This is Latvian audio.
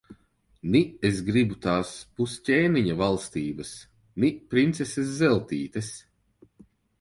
Ni es gribu tās pusķēniņa valstības, ni princeses Zeltītes.